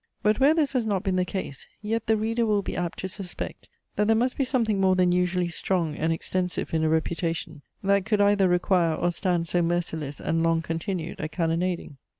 But where this has not been the case, yet the reader will be apt to suspect that there must be something more than usually strong and extensive in a reputation, that could either require or stand so merciless and long continued a cannonading.